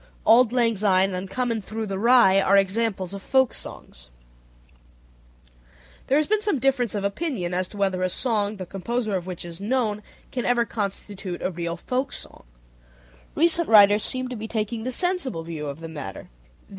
Auld Lang Syne, and Comin' thru the Rye, are examples of folk songs. There has been some difference of opinion as to whether a song, the composer of which is known, can ever constitute a real folk song: recent writers seem to be taking the sensible view of the matter, viz.